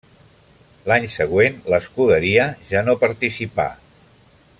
L'any següent l'escuderia ja no participà.